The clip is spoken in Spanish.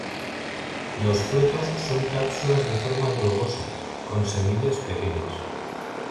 Los frutos son cápsulas de forma globosa, con semillas pequeñas.